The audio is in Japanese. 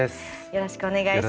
よろしくお願いします。